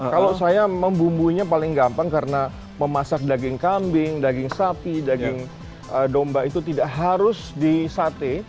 kalau saya memang bumbunya paling gampang karena memasak daging kambing daging sapi daging domba itu tidak harus di sate